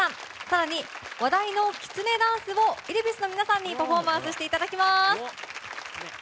更に話題のきつねダンスをＹｌｖｉｓの皆さんにパフォーマンスしていただきます。